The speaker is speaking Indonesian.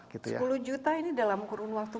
sepuluh juta ini dalam kurun waktu